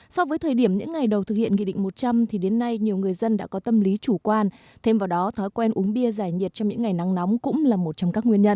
so với thời điểm những ngày đầu thực hiện nghị định một trăm linh thì đến nay nhiều người dân đã có tâm lý chủ quan thêm vào đó thói quen uống bia giải nhiệt trong những ngày nắng nóng cũng là một trong các nguyên nhân